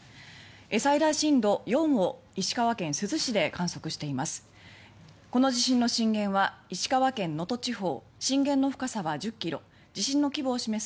最大震度４を石川県珠洲市で観測しています。